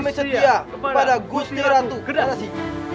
kami setia kepada gusti ratu kedasi